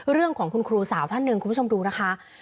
เรื่องของคุณครูสาวท่านหนึ่งคุณผู้ชมดูนะคะ